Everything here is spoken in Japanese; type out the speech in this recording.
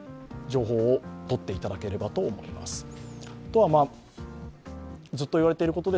情報を取っていただければと思います。